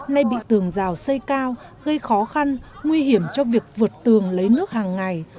nay bị tường rào xây cao gây khó khăn nguy hiểm cho việc vượt tường lấy nước hàng ngày